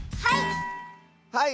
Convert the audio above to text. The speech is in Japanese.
はい！